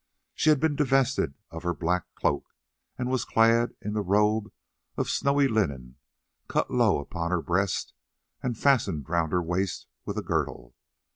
She had been divested of her black cloak, and was clad in the robe of snowy linen cut low upon her breast, and fastened round her waist with a girdle.